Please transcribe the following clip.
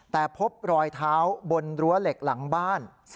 แต่พบรอยเท้าบนรั้วเหล็กหลังบ้าน